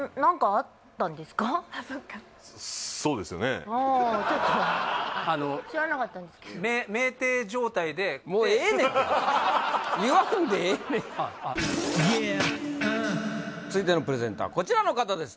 あっそっかそうですよねああちょっと知らなかったんですけど酩酊状態で言わんでええねんあっあっ続いてのプレゼンターこちらの方です